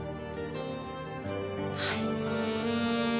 はい。